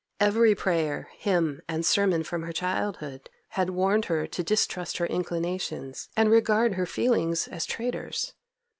Every prayer, hymn, and sermon from her childhood had warned her to distrust her inclinations and regard her feelings as traitors.